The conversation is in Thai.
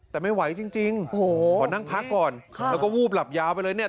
แต่ไม่ไหวจริงจริงโอ้โหขอนั่งพักก่อนแล้วก็วูบหลับยาวไปเลยเนี่ย